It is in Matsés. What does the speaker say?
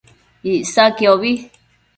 Icsaquiobi